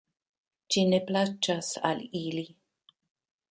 Ĝi ne plaĉas al ili.